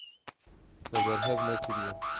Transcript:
Te berhev nekiriye.